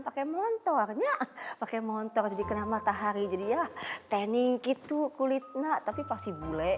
pakai montornya pakai montor jadi kena matahari jadi ya tanning gitu kulitnya tapi pasti bule